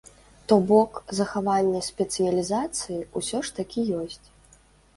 То бок, захаванне спецыялізацыі ўсё ж такі ёсць.